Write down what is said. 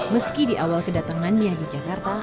meski di awal kedatangannya di jakarta agnez sempat ragu dan takut